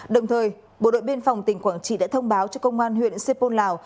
đồng thời bộ đội biên phòng tỉnh quảng trị đã thông báo cho công an huyện xê pôn lào